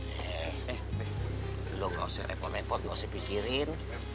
eh lo gak usah repot repot gak usah pikirin